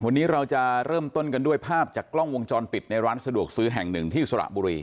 วันนี้เราจะเริ่มต้นกันด้วยภาพจากกล้องวงจรปิดในร้านสะดวกซื้อแห่งหนึ่งที่สระบุรี